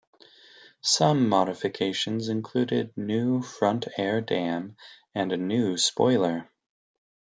Some modifications included new front air dam and a new spoiler.